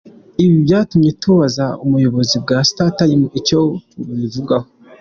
Ibi byatumye tubaza ubuyobozi bwa Star Times icyo bubivugaho.